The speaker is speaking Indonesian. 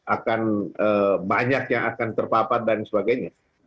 akan banyak yang akan terpapar dan sebagainya